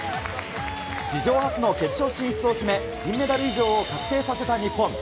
史上初の決勝進出を決め、銀メダル以上を確定させた日本。